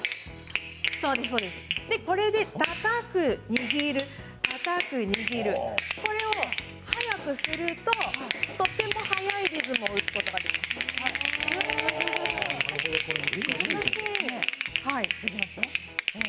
それで、たたく握るたたく握る、これを速くするととても速い音を打つことができます。